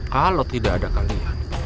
kalau tidak ada kalian